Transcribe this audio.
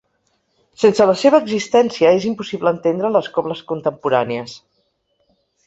Sense la seva existència és impossible entendre les cobles contemporànies.